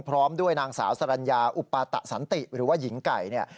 พร้อมด้วยนางสาวสรรญาอุปาตะสันติหรือว่าหญิงไก่เนี่ย